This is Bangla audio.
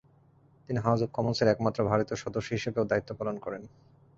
তিনি হাউজ অব কমন্সের একমাত্র ভারতীয় সদস্য হিসেবেও দায়িত্ব পালন করেন।